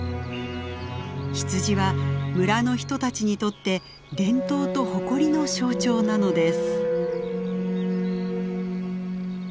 羊は村の人たちにとって伝統と誇りの象徴なのです。